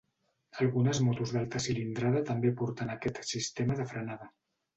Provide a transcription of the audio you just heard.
Algunes motos d'alta cilindrada també porten aquest sistema de frenada.